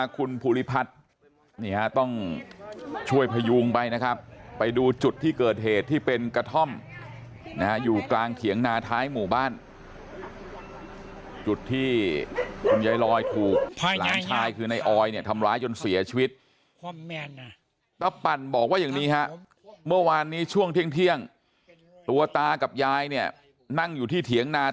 ขุมขายมากงานเรื่องที่เกิดขึ้น